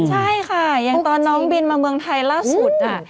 ใช่ค่ะอย่างตอนน้องบินมาเมืองไทยล่าสุด